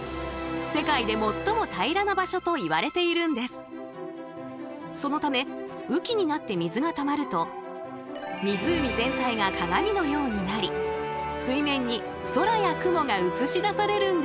それはボリビアの南西部に位置するそのため雨季になって水がたまると湖全体が鏡のようになり水面に空や雲が映し出されるんです。